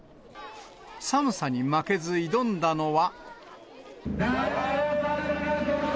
寒さに負けず、挑んだのは。